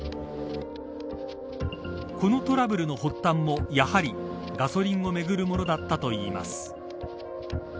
このトラブルの発端もやはりガソリンをめぐるものだったといいます。